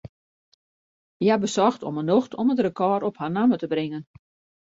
Hja besocht om 'e nocht om it rekôr op har namme te bringen.